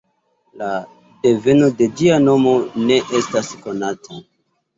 La deveno de ĝia nomo ne estas konata.